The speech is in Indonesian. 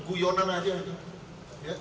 itu guyonan aja itu